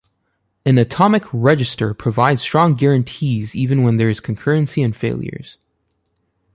An atomic register provides strong guarantees even when there is concurrency and failures.